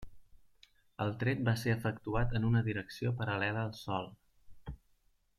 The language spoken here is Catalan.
El tret va ser efectuat en una direcció paral·lela al sòl.